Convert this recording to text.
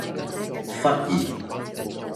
忽然